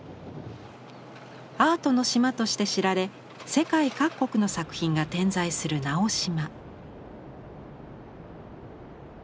アートの島として知られ世界各国の作品が点在する直島。